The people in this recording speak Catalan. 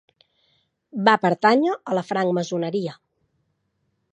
Va pertànyer a la francmaçoneria.